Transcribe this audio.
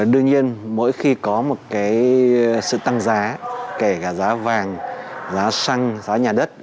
đương nhiên mỗi khi có một cái sự tăng giá kể cả giá vàng giá xăng giá nhà đất